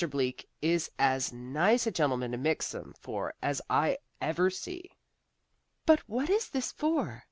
Bleak is as nice a gentleman to mix 'em for as I ever see." "But what is this for?"